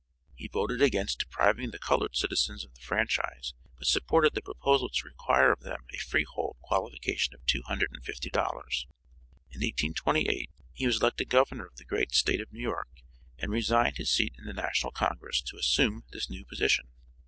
He voted against depriving the colored citizens of the franchise but supported the proposal to require of them a freehold qualification of $250. In 1828 he was elected governor of the great State of New York and resigned his seat in the National Congress to assume this new position.